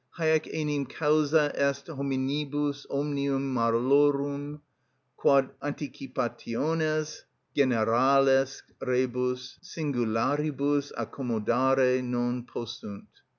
(_Hæc enim causa est hominibus omnium malorum, quod anticipationes generales rebus singularibus accommodare non possunt.